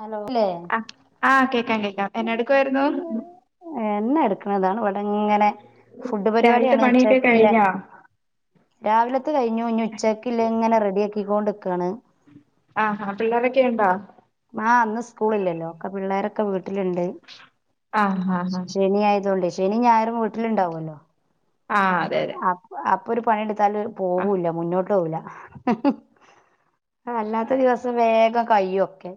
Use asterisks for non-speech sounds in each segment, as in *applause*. Hello *inaudible* ല്ലേ ആ ആ കേക്കാം കേക്കാം എന്നാ എടുക്കുവായിരുന്നു എന്നെ എട് താണ് ഇവിടെ ഇങ്ങനെ ഫുഡ് രാവിലത്തെ പരിപാടിയാണ് പണിയൊക്കെ ഉച്ചകേക്കില്ല കഴിഞ്ഞോ രാവിലത്തെ കഴിഞ്ഞു ഇഞ്ഞി ഉച്ചക്ക് ഇല്ല ഇങ്ങനെ റെഡി ആക്കികൊണ്ട്ക്കാണ് ആഹാ പിള്ളോരൊക്കെ ഉണ്ടോ ആഹ് ഇന്ന് സ്കൂളില്ലല്ലോ ഒക്കെ പിള്ളോരൊക്കെ വീട്ടില്ണ്ട് ആഹ് ഹാ ഹാ ശനി ആയതൊണ്ട് ശനി ഞായറും വീട്ടിലുണ്ടാവൊല്ലോ ആഹ് അതെ അതെ അപ്പൊ ഒരു പണിയെടുത്താല് ആ പോവൂല്ല മുന്നോട്ട് പോവൂല്ല അല്ലാത്ത ദിവസം വേഗം കയ്യും ഒക്കെ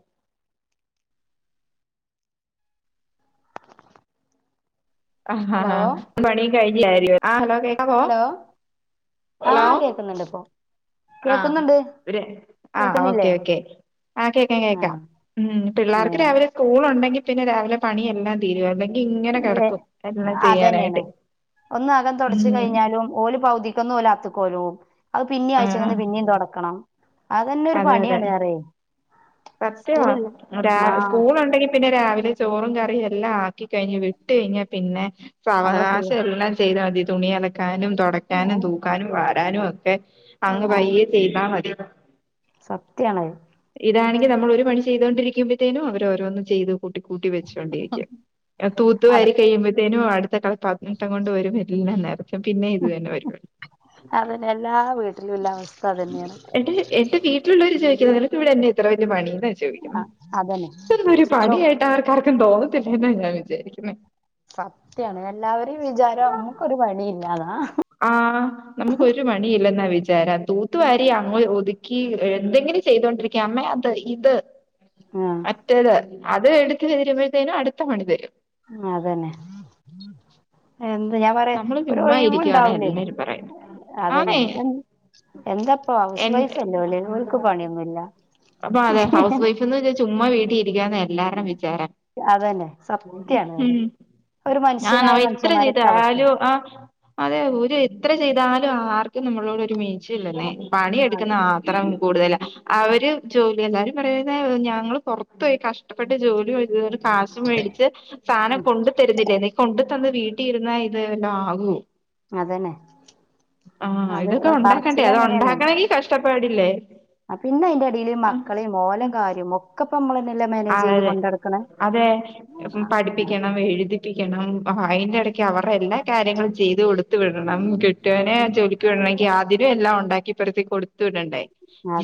അ ഹലോ പണി കഴിഞ്ഞില്ലാ *inaudible* ഹലോ ആഹ് കേക്കുന്നുണ്ട് ഇപ്പോ ആഹ് ആഹ് ഓക്കെ കേൾക്കുന്നില്ലേ ഓക്കെ ആഹ് കേക്കാം ആ ക്കേക്കാം ഉം പിള്ളേർക്ക് രാവിലെ സ്കൂൾ ഉണ്ടെങ്കിൽ പിന്നെ രാവിലെ പണി എല്ലാം തീരും അല്ലെങ്കി ഇങ്ങനെ ഏ കിടക്കും എല്ലാം അതന്നെയാണ് ചെയ്യാനായിട്ട് ഒന്ന് അകം തുടച്ച് ഉം കഴിഞ്ഞാലും ഓല് പൗതിക്കന്ന് ഓല് അകത്ത്ക്കോരും അത് പിന്നെയും ആ അഴ്ച്ചങ്ന്ന് പിന്നെയും തൊടക്കണം അതന്നെ ഒരു പണിയാണ് അറെ സത്യവാം രാവ് ആഹ് സ്കൂള് ഉണ്ടെങ്കിൽ പിന്നെ രാവിലെ ചോറും കറിയും എല്ലാം ആ ക്കികഴിഞ്ഞ് വിട്ട് കെയിഞ്ഞാ പിന്നെ നമ്മള് ഫ്രീയാ സാവകാശം എല്ലാം ചെയ്താമതി തുണി അലക്കാനും തൊടക്കാനും തൂ ക്കാനും വാരാനും ഒക്കെ അങ്ങ് പയ്യെ ചെയ്താമതി സത്യാണ് അത് ഇതാണെങ്കി നമ്മൾ ഒരു പണി ചെയതുകൊണ്ടിരിക്കുമ്പഴ്ത്തേനും അവര്‌ ഓരോന്നും ചെയ്ത് കൂട്ടി കൂട്ടി വെച്ചാേണ്ടിരിക്കും അത് അത തൂത്തുവാരി കെയ്യുമ്പഴ്ത്തേനും അട്ത്ത കളെ പത് നെട്ടം കൊണ്ട് വെരും ഹിറ്റിൽനെ നേരം ഉം ഉം അതന്നെ എല്ലാ വീട്ടിലുള്ള അവസ്ഥ അതന്നേണ് എൻട്ട് എന്റെ വീട്ടിലുള്ളോര് ചോയിക്കുന്നത് നിനക്ക് ഇവടെ എന്നാ ഇത്ര വലിയ പണീന്നാചോയിക്ക്ന്നേ ആഹ് അതന്നെ ഇതാെന്നും ചോ ഒര്പണിയായിട്ട് ആർക്കാർക്കും തോന്നത്തില്ലേന്നാ ഞാൻ വിചാരിക്ക്ന്നേ സത്യാണ് എല്ലാവെരിം വിചാരം ഇമ്മുക്കൊരു പണിയില്ലാന്നാ അഹ് ആഹ് നമുക്കൊരു പണിയില്ലെന്നാ വിചാരം തൂത്തുവാരി അങ്ങ് ഒതുക്കി എന്തെങ്കിലും ചെയ്തോണ്ടിരി ക്യാമ്മളാപ്പ ഇത് ആഹ് മറ്റേത് അത് ഇട്ത്ത് തീരുമ്പഴ്ത്തേനും അട്ത്ത പണി തെരും ആഹ് അതന്നെ എന്ത് ഞാ പറയാ നമ്മള് ഒരു ചുമ്മാ ഒയ് വ് ഇരിക്കുവാന്ന ഇണ്ടാവുലേ എല്ലാരും പറയുന്നെ അതന്നെ ആന്നേ എൻ എന്താ ഇപ്പാെ ഹൗസ് എൻ വൈഫെല്ലേ ഓന് ഓൽക്ക്പണിഒന്നും ഇല്ല അപ്പൊ അതെ ഹൗസ് വൈഫ്ന്ന് വിചാരിച്ച ചുമ്മാവീട്ടി ഇരിക്കിയാന്നാ എല്ലാരേം വിചാരം അതന്നെ *unintelligible* ഉം സത്യാണ് പറയാ ഹും ഒരു മനുഷ്യനായ ഞാന്നവെ മനുഷ്യന്മാരൊക്കെ ഇത്രഇര്തായ് അവസ്ഥ ആഹ് അതെ ഒര് എത്ര ചെയ്താലും ആർക്കും നമ്മളോട് ഒരു മീച്ചിഇല്ലന്നേ പണി അതെ എട്ക്ക്ന്ന ആഹ് ഇത്രം കൂട്തലാ അവര് ജോലി എല്ലാവരും പറയുന്നേ ഒഞങ്ങള് പൊറത്ത് പോയി കഷ് ട്ടപ്പെട്ട് ജോലി *unintelligible* ഒരു കാശ് മേടിച്ച് സാനം ഉം കൊണ്ട് തെര്ന്ന് ഇല്ലേന്ന് കൊണ്ട് തന്ന് വീട്ടി ഇരുന്നാഇത് വല്ലോം ആകും അതന്നെ ആഹ് അത് ഇതൊക്കെ ഉണ്ടാക്കണ്ടേ പറച്ചില് അത് ഉണ്ടാക്കണെങ്കി കഷ്ടപ്പാടില്ലേ ആഹ് പിന്നെ ഐന്റെടീല് ആ മക്കളിം ആ ഓലെകാര്യം ഒക്കെ ഇപ്പ അമ്മള് എന്നെല്ലെ മാനേജ് ചെയ്ത് അതെ കൊണ്ടട്ക്ക്ണേ അതെ ഉംപഠിപ്പിക്കണം എഴ്തിപ്പിക്കണം അഹയ്ന്റെടെ ക്ക് അവറെ എല്ലാ കാര്യങ്ങളും ചെയ്ത് കൊട്ത്ത് വിടണം കെട്ടിയോനെ ജോലി ക്ക് വിട്ണങ്കി ആതിരും എല്ലാം ഉണ്ടാക്കി പെറ്ത്തി കൊട്ത്ത് വിടണ്ടേ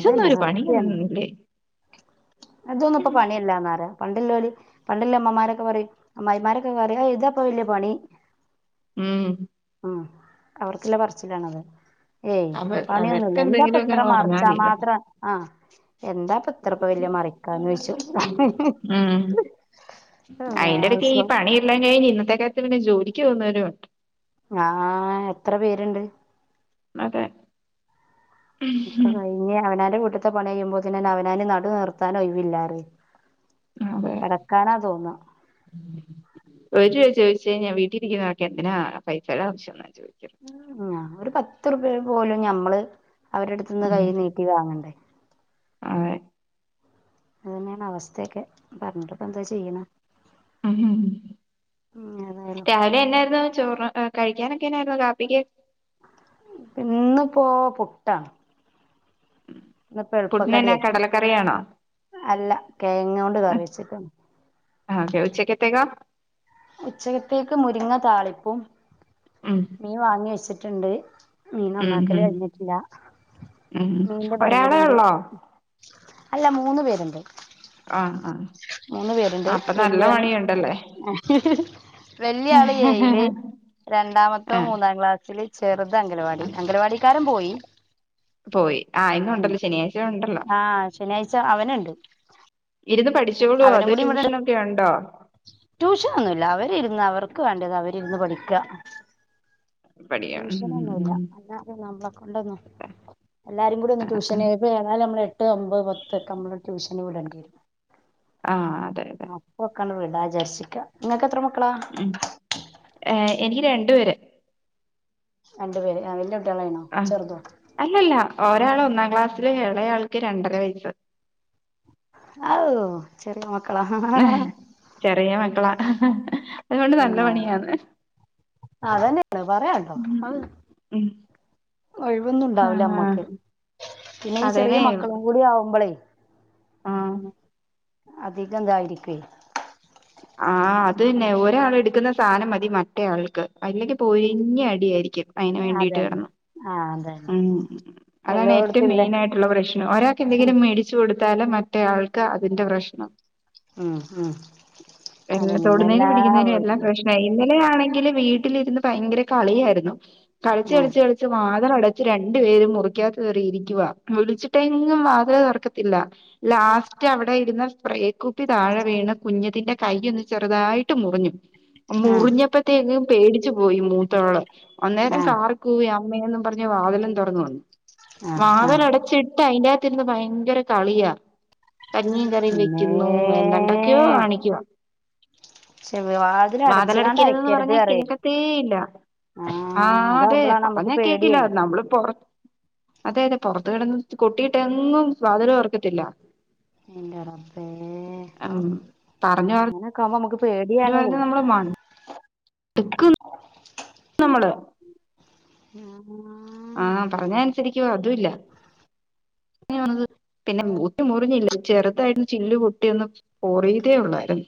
ഇതൊന്നും ഒരു സത്യാണ് പണിയൊന്നില്ലേ ഇതൊന്നും ഇപ്പ പണി എല്ലാന്നാപറയാ പണ്ട് ഇല്ലോല് പണ്ടില്ലെ ഇമ്മമാരക്കെ പറയും അമ്മായിമാരക്കെ പറയും ഐ ഇതാപ്പാെ വെല്ല്യ പണി ഉം ഉം അവർക്ക്ള്ള പർച്ചിലാണത് ഏയ് അവർ പണിയൊന്നുല്ല അവർക്ക് എന്താപ്പാെ എന്തെങ്കിലുമൊക്കെ ഇത്ര അങ്ങ് പറഞ്ഞാൽ മറിച്ചാ മതിയല്ലോ മാത്രം ആഹ് എന്താപ്പ ഇത്ര ഇപ്പവെല്യ മറിക്കാന് ഓയ്ച്ചും ഉം അള്ളാ ഹൊസ്വം എല്ലാം കെയിഞ്ഞ് ഇന്നത്തെ കാലത്ത് പിന്നെ ജോലിക്ക് പോവുന്നവരുണ്ട് ആഹ് എത്ര പേര് ഇണ്ട് മതെ ഒക്കെ കയിഞ്ഞ് അവനാന്റെ വീട്ട്ത്തെ പണി കെയ്യുമ്പോത്തിനെന്നെ അവനാന് നടു നീർത്താൻ ഒയ് വില്ലാപറയും കെടക്കാനാ തോന്നാ ഓര് ചോയിച്ച് കെയിഞ്ഞാ വീട്ടിഇരിക്ക്ന്ന ആൾക്ക് എന്തിനാ പൈസയുടെ ആവശ്യംന്നാ ചോദിച്ചത്. ഉം ആഹ് ഒര്പത്ത്റുപ്പിയക്ക് പോലും ഞമ്മള് അവരെട്ത്ത്ന്ന് കൈ ഉം നീട്ടി വാങ്ങണ്ടേ അതെ അതനെയാണ് അവസ്ഥയൊക്കെ പറഞ്ഞിട്ട് പ്പോ എന്താ ചെയ്യണെ ഉമ്മ് ഉം ഏതായാലും രാവിലെ എന്നായിരുന്നു ചോറ് കഴിക്കാനൊക്കൊയിരുന്നു കാപ്പിക്ക്. ഇന്നിപ്പോ പുട്ടാണ്. ഇന്നിപ്പോ പുട്ടിനെന്നാ എളുപ്പക്കടിയാക്കി കടലക്കറിയാണോ അല്ല കെയങ്ങുകൊണ്ട് കറിവെച്ച്ക്ക്ണ്. ഒക്കെ ഉച്ചക്കെതെക്കോ? ഉച്ചക്കത്തേക്ക് മുരിങ്ങ താളിപ്പും മ്മ് മീൻ വാങ്ങി വെച്ചിട്ടുണ്ട്. മീൻ ഉം നന്നാക്കല് ഉം കഴിഞ്ഞിട്ടില്ല ഉം മീന്റെ ഒരാളെ പണികൂടിണ്ട്. ഉള്ളോ അല്ല മൂന്ന് പേരുണ്ട്. ആഹ് ആഹ് മൂന്ന് പേരുണ്ട് വല്യോന് വല്യ ആള് ഏഴില് ആ രണ്ടാമത്തോം മൂന്നാം ക്ലാസ്സില് ചെറുത അംഗലവാടി ആ അംഗലവാടിക്കാരൻ പോയി പോയി ആഹ ഇന്ന് ഉണ്ടല്ലോ ശനിയാഴ്ച ഉണ്ടല്ലോ ആഹ് ശനിയാഴ്ച അവനുണ്ട് ഇരുന്ന് പഠിച്ചോളൂ അതോ ട്യൂഷൻ ഒക്കെ ഉണ്ടോ ട്യൂഷനൊന്നുല്ല അവരിരുന്ന് അവർക്ക് വേണ്ടത് അവരിരുന്ന് പഠിക്ക പഠിക്കാം ഉം ഉം ട്യൂഷനൊന്നുല്ല ഉം. അല്ലാത നമ്മളെ കൊണ്ടൊന്നു എല്ലാരും കൂടി ഒന്ന് ആ ആ ട്യൂഷന് ഏതായാലും നമ്മ എട്ട് ഒമ്പത് പത്തൊക്കെ നമ്മള് ട്യൂഷന് വിടണ്ടി ആ അതെ അതെ വരും അപ്പൊക്കണ്ട് വീടാ വിചാരിച്ക്കാ നിങ്ങക്ക് എത്ര മക്കളാ ഏഹ് എനിക്ക് രണ്ടു പേര് രണ്ടു പേര് ആഹ വല്യ കുട്ടികളാണോ ആ ചെറുതോ അല്ലല്ല ഒരാള് ഒന്നാം ക്ലാസ്സില് ഇളയാൾക്ക് രണ്ടര വയസ്സ് ആവു ചെറിയ മക്കള ചെറിയ മക്കളാ അതുകൊണ്ട് നല്ല ആഹ് പണിയാണ് അതന്നെയാണ് പറയാണ്ടോ മ്മ് അത് മ്മ് ഒഴിവൊന്നും ഉണ്ടാവുല നമ്മക്ക് പിന്നെ ഈ ചെറിയ അതേന്നെ മക്കളും കൂടി ആവുമ്പളേ ആഹ് അതികന്തായിരിക്‌വേ ആഹ് അത് തന്നെ ഒരാൾ എടുക്കുന്ന സാധനം മതി മറ്റേയാൾക്ക് അതില്ലെങ്കി പൊരിഞ്ഞ അടിയായിരിക്കും അതിന് വേണ്ടിട്ട് അതെ കിടന്ന് ആഹ് അതെ ഉം അതാണ് ഏറ്റവും മെയിൻ ആയിട്ടുള്ള പ്രശ്നം ഒരാൾക്ക് ഉം എന്തെങ്കിലും മേടിച്ചു കൊടുത്താൽ മ- റ്റേ ആൾക്ക് അതിന്റെ പ്രശ്നം ഉം ഉം എല്ലാം അതന്നെയാണ് തോടുന്നതിനും എല്ലാ പിടിക്കുന്നതിനും എല്ലാം വീട്ടിലും പ്രശ്ന- മൈ ഇന്നലെ ആണെങ്കി വീട്ടിലിരുന്ന് ഭയങ്കര കളിയായിരുന്നു കളിച്ചച്ച് ആഹ് കളിച്ച് കളിച്ച് വാതിലട- ച്ച് രണ്ടു പേരും മുറിക്കകത്ത് കേറി ഇരിക്കുവ വിളിച്ചിട്ടെങ്ങും വാതിൽ തുറക്കത്തില്ല ലാസ്റ്റ് അവിടെ ഇരുന്ന സ്പ്രേക്കുപ്പി താഴെ വീണ് കുഞ്ഞതിന്റെ കൈ ഒന്ന് ചെറുതായിട്ട് മുറിഞ്ഞു *unintelligible* ആഹ് മുറിഞ്ഞപ്പത്തേക്കും പേടിച്ചു പോയി മൂത്തോള് അന്നേരം ആഹ് കാറിക്കൂവി അമ്മേന്നും പറ- വാതലും തുറന്നു വന്നു ആഹ് വാതൽ ആഹ് അടച്ചിട്ട് അതിക- ന്ന് ഭയങ്കര കളിയാ കഞ്ഞിയും കറിയും പിന്നേ വെക്കുന്നു എല്ലാണ്ടാക്കിയോ കാണിക്കുവ പക്ഷെ വാതില് അടച്ച്കാണ്ട് വാതലടക്കരുതന്ന് അയക്കരുത് പറഞ്ഞാ പറയേ കേക്കത്തേ ഇല്ല ആഹ് തേ അതാവുമ്പളാണ് നമ്മക്ക് പറഞ്ഞാ കേക്കില്ല. പേടിയേ നമ്മള് പൊറ- അതെ അതെ പൊറത്തെടന്ന് കൊട്ടിയിട്ടെങ്ങും വാതില് തൊറക്കത്തില്ല. ഇന്റെ റബ്ബേ. ഉം പറഞ്ഞു പറഞ്ഞു ങ്ങനെക്കാവ്മ്പൊ അമ്മക്ക് പേടിയാണേ. ട്ടിക്കും നമ്മള് മാമ്മാ ആഹ് പറഞ്ഞാ അൻസരിക്കൊ അതുല്ലാ. ന്നെ പറഞ്ഞത് പിന്നെ മൂത്ത് മുറിഞ്ഞില്ല. ചെറ്തായിട്ട് ചില്ല് പൊട്ടി ഒന്ന് പോറിയതേ ഒള്ളായിര്ന്ന്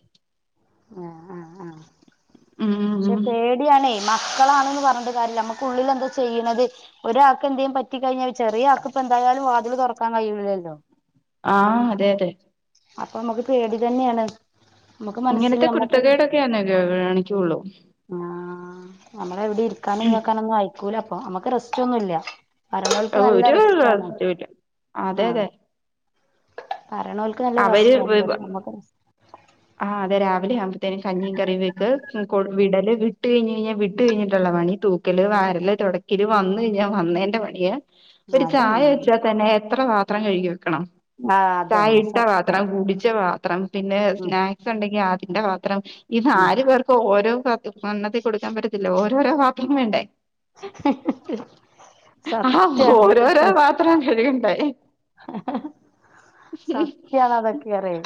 ആഹ് ആഹ് ആഹ് ഉം പക്ഷെ ഉം പേടി ടി ആണെ. മക്കളാണ്ന്ന് പർഞ്ഞിട്ട് കാര്യല്ല അമ്ക്ക് ഉള്ള്‌ല് എന്താ ചെയ്യ്ണത് ഒരാക്ക് എന്തേം പറ്റി കഴിഞ്ഞാ ചെറിയ ആക്ക്‌പ്പൊന്തായാലും വാതില് തൊറക്കാൻ കഴിയൂലല്ലോ. ആഹ്. അതെ അതെ അപ്പൊ അമ്മക്ക് പേടി തന്നെയാണ്. മ്മക്ക് മനസ്സില് അമ്മക്കൊരു- *unintelligible* ണ് കാണിക്കൊള്ളൂ ആഹ് അമ്മളെ എവ്ടിം ഇരിക്കാനും ഉം താക്കാനും ഒന്നും അയക്കൂല അപ്പൊ. അമ്മക്ക് റെസ്റ്റ് ഒന്നുല്ല്യ. പറയ്ണോൽക്ക് നല്ല ഒരു റെസ്റ്റാണ്. റെസ്റ്റും ഇല്ല അതെ ആഹ് അതെ പറയ്ണോൽക്ക് നല്ല റെസ്റ്റാണ്. അവര് പക്ഷെ അമ്മക്ക് ആഹ് അതെ. രാവിലെ ആ വ്മ്പഴത്തേ കഞ്ഞിയും, കറിയും വെക്ക്, ഉം കൊടും വിടല് വിട്ട് കഴിഞ്ഞഴിഞ്ഞാ വിട്ട് കഴിഞ്ഞിട്ടുള്ള പണി, തൂ ക്കല്, വാരല്, തൊടക്കല് വന്ന ഴിഞ്ഞാ വന്നേന്റെ പണിയേ ഒര് ചായ അതന്നെയാണ് വെച്ചാ തന്നെ എത്ര പാത്രം കഴുകി വെക്കണം. ആഹ് ചായ അതന്നെ ഇട്ട സത്യം പത്രം, കുടിച്ച പാ ത്രം പിന്നെ ഉം സ്നാക്സ് ണ്ടെങ്കി അതിന്റെ പാത്രം, ഇത് ഉം ആര് പേർക്ക് ഓരോ പ ഒന്നത്തി കൊടുക്കാം പറ്റത്തില്ല. ഓരോരോ പാത്രം വേണ്ടേ. *unintelligible* ഓരോരോ സത്യാണ് പാത്രം കഴുകണ്ടേ സത്യാണതൊക്കെ അറ്യേ.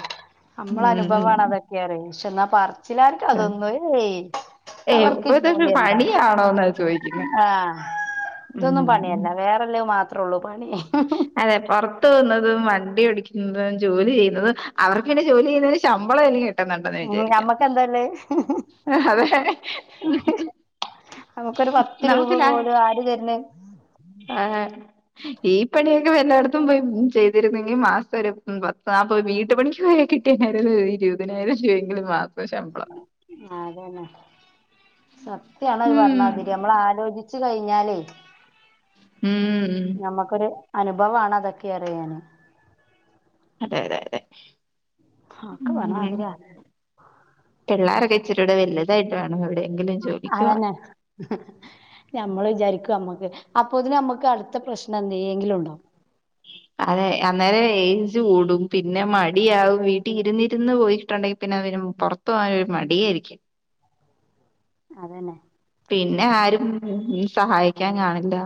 അമ്മളെ ഉം അനുഭവാണതൊ റ്യേനി. പക്ഷെന്നാ പർച്ചില്ലാർക്ക തൊന്നും ഏയ്. ഏയ് അവർക്ക് ഇതൊരു ജോലി എന്താ പണിയാണോന്നാ ചോദിക്കുന്നെ ആഹ് തൊന്നും ഉം പണിയല്ല. വേറെള്ളെ മാത്രള്ളൂ പണി. അതെ പൊറത്തോ വ്ന്നതും വണ്ടിയോ ടിക്കുന്നതും ജോലി ചെയ്യുന്നതും അവർക്ക് ന്നെ ജോലിയെയ്യുന്നതിന് ശമ്പളന്നെങ്കിലും കി ട്ട്ന്നുണ്ടെന്ന് ഉം വിചാരിക്കാം. ഞമ്മക്ക് എന്താല്ലേ അതെ അമ്ക്കൊരു പത്ത് രൂപ നമുക്ക് ലാ പോലും ആര് തെര്ന്? ആഹ് ഈ പണിയൊക്കെ വല്ലേട്ത്തും പോയി ചെയ്തിരുന്നെങ്കി മാസം ഒരു പത്ത്, നാല്പത് പോയി വീട്ടു പണിക്ക് പോയ കി ട്ട് ന്നെരു ഇരുപതിനായിരം രൂപയൊക്കെ ഒരു മാ അതന്നെ. സത്യണത് ഉം പർണാതിരി അമ്മളാലോചി ച്ച് കഴിഞ്ഞാലേ ഉം നമ്മക്കൊര് അനുഭവാണതൊക്കെ റിയാ ഞാനെ അതെ അതെ അതെ ആ ഒക്കെ പർഞ്ഞ ഉം മാതിര്യാ പിള്ളാരൊക്കെ ഇച്ചിരൂടെ വെല്തായിട്ട് വേണം എവിടെയെങ്കിലും ജോലിക്കോവൻ അതന്നെ ഞമ്മള് വിചാരിക്കും അമ്മക്ക് അപ്പോത്ത്ന് അമ്മക്ക് അട്ത്ത പ്രശ്നം എന്തേങ്കിലുംണ്ടാവും. അതെ അന്നേരം എജ്ജ്‌ കൂടും പിന്നെ മടിയാവും വീട്ടിൽ ഇരുന്നിരുന്ന് പോയിട്ടുണ്ടെങ്കിൽ പിന്നെവരു പുറത്ത് പോകാനരു മടിയായിരിക്കും അതന്നെ പിന്നെ ആരും സഹായിക്കാൻ കാണില്ല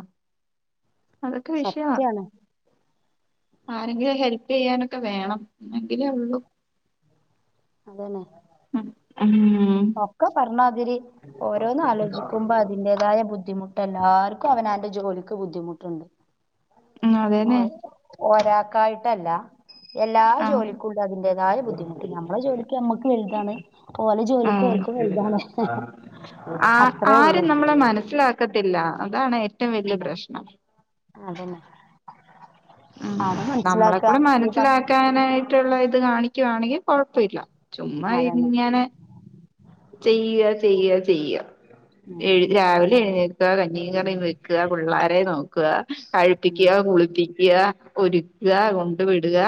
അതൊക്കെ വിഷയാ സത്യാണ് ആരെങ്കിലഹെൽപ് ചെയ്യാനൊക്കെ വേണം എന്നെങ്കിലേ ഉള്ളൂ അതന്നെ ഉം ഒക്കെ പറഞ്ഞാതിരി ഓരോന്ന് ആലോചിക്കുമ്പോ അതിന്റേതായ ബുദ്ധിമു എല്ലാർക്കും അവനന്റെ ജോലിക്ക് ബുദ്ധിമുട്ടുണ്ട് ഉം ഓ അതന്നെ ഒരാക്കായിട്ടല്ല എല്ലാ ആ ജോലി അതിന്റത ബുധിമുട്ട് നമ്മെ ജോലിക്ക് നമക്ക് വലുതാണ് അപ്പോലെ ജോ ആഹ് ആ അത്രേ ആരും ഉള്ളൂ നമ്മളെ മനസ്സിലാ ക്കത്തില്ല അതാണ് എ അല്ല അതന്നെ അത് മനസ്സിലാക്ക നമ്മളെക്കൂടെ ഈ പറഞ്ഞ മനസ്സിലാക്കാനായി ള്ള ഇത് കാണിക്കുവാണെങ്കിൽ കുഴപ്പമില്ല ചുമ്മാ അതന്നെ ഇങ്ങനെ ചെയ്യ ചെയ്യ ചെയ്യ ഉം എഴ രാവിലെ എഴുന്നേക്കുക കഞ്ഞീ കറിയും വയ്ക്കുക പുള്ളേരെ നോക്ക ഉം കഴപ്പിക്കുക കുളിപ്പിക്കുക ഒരുക്ക കൊണ്ടു വിടുക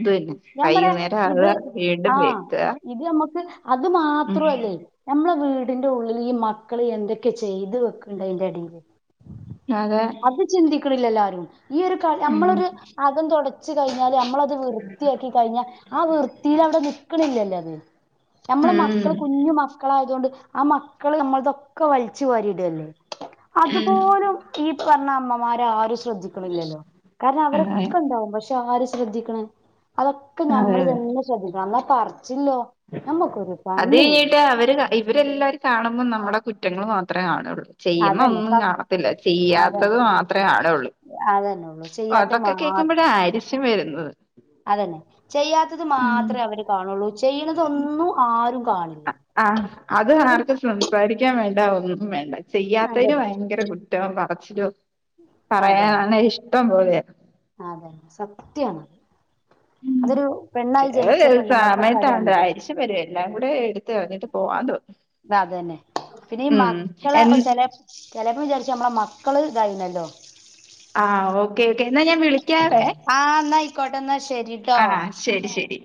ഇത് തന്നെ ഞാൻ പറയാ വൈകുന്നേരം ഇത് ആവുക വീണ്ടും ആഹ വെക്കുക ഇത് നമ്മുക്ക് അത് മാത്ര ഉം അല്ലേ നമ്മളെ വീടിന്റെ ഉള്ളിൽ ഈ മക്കള് എന്തൊക്കെ ചെയ്തു വെക്കണ്ട് അയിന്റെ ഇടിയില്. അതെ. അത് ചിന്തിക്കണില്ല ആരും ഈ ഒരു ഉം അകം തുടച്ചു കഴിഞ്ഞാല് നമ്മളത് വൃ വൃത്തിയാക്കി കഴിഞ്ഞാൽ ആ വൃത്തിൽ അവിടെ നിക്കണില്ലല്ലോ അത്. നമ്മളെ ഉം മക്കള് കുഞ്ഞു മക്കളായതുകൊണ്ട് ആ മ മക്കള് നമ്മളതൊക്കെ വലിച്ചുവരിടല്ലേ ഉം അതുപോലും. ഈ പറഞ്ഞ അമ്മമാർ ആരും ശ്രദ്ധിക്കണില്ലല്ലോ കാരണം അതെ അവരൊക്കെണ്ടാവും പക്ഷെ. ആര് ശ്രദ്ധിക്കണ അതൊക്കെ അതെ നമ്മള് അതെ തന്നെ ശ്രദ്ധിക്കണം എന്നാ പറിച്ചില്ലോ. അത് *unintelligible* അവര് ഇവരെല്ലാവരും കാണുമ്പോം നമ്മെ കുറ്റങ്ങൾ മാത്രമേ കാണുള്ളൂ. ചെയ്യുന്ന അതന്നെ സ ഒന്നും കാണത്തില്ല അതന്നെ ചെയ്യാത്തത് മാത്രേ കാണുഉള്ളൂ. അതന്നെ ഉള്ളൂ ചെയ്യാത്തത് അതൊക്കെ മാത്രം കേക്കുമ്പോഴ ആരിശം വരുന്നത്. അതന്നെ ചെയ്യാത്തത് ഉം മാത്രേ അവര് കാണുള്ളൂ ചെയ്യണത് ഒന്നും ആരും കാ ആ അത് ആർക്കും സംസാരിക്കാൻ വേണ്ട ഒന്നും വേണ്ട. ചെയ്യാത്തതിന് അതന്നെ ഭയങ്കര കുറ്റം പറച്ചിലും പറയാനാണ് ഇഷ്ടം പോലെ. അഹ് അതെ സത്യാണ്. മം അതൊരു ഉ പെണ്ണായി ജനിച്ച ചെലാൽ പെണ്ണുങ്ങൾക്കൊക്കെ ഒരു സമയത്താണ്ട് അനുഭവം ആരിശം വരും എല്ലാം കൂടെ എടുത്ത് പറഞ്ഞിട്ട് പോവാ തോന്നും. അതന്നെ പിന്നെ ഈ ഉം മക്കളെ എൻ ചെലപ്പോ. ചെലെ പ്പം വിചാരിച്ചും നമ്മളെ മക്കള് ഇതായിരുന്നല്ലോ. ആഹ് ഓക്കെ ഓക്കെ എന്നാ ഞാൻ വിളി ആഹ് ഇന്നാ ആയിക്കോട്ടെ എന്നാ ശരിട്ടോ. ശെരി ശെരി.